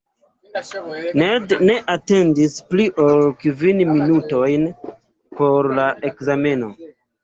Ned ne atendis pli ol kvin minutojn por la ekzameno.